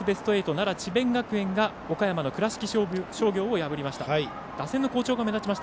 奈良、智弁学園が岡山、倉敷商業を破りました。